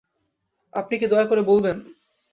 আপনি কি দয়া করে বলবেন?